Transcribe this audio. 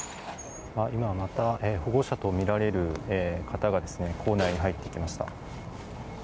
今、また保護者とみられる方が校内に入っていきました。